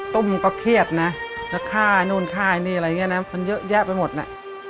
ตุ้มก็เครียดนะแล้วฆ่านู่นค่านี่อะไรอย่างนี้นะมันเยอะแยะไปหมดน่ะ